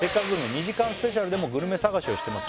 ２時間スペシャルでもグルメ探しをしてます